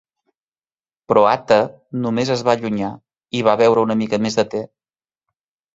Però Hatta només es va allunyar, i va beure una mica més de te.